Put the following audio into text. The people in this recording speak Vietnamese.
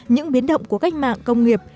những biến động của cách mạng công nghiệp